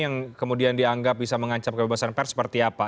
yang kemudian dianggap bisa mengancam kebebasan pers seperti apa